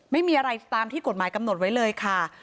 ไม่มีอะไรตามที่กฎหมายกำหนดไว้เลยค่ะ